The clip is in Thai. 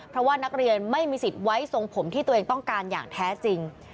เพราะว่านักเรียนไม่มีสิทธิ์ไว้ทรงผมที่ตัวเองต้องการอย่างแท้จริง